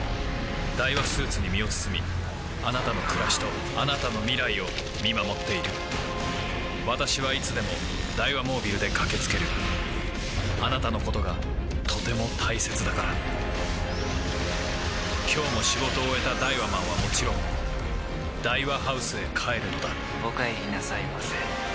ダイワスーツに身を包みあなたの暮らしとあなたの未来を見守っている私はいつでもダイワモービルで駆け付けるあなたのことがとても大切だから今日も仕事を終えたダイワマンはもちろんダイワハウスへ帰るのだお帰りなさいませ。